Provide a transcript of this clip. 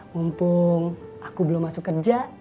mumpung aku belum masuk kerja